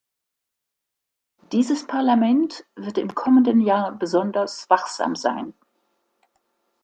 Dieses Parlament wird im kommenden Jahr besonders wachsam sein.